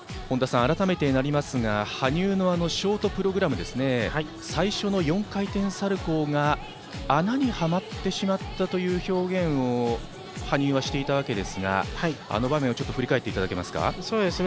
本田さん、改めてになりますが羽生のショートプログラムで最初の４回転サルコーが穴にはまってしまったという表現を羽生はしていましたがあの場面を振り返っていただけますか？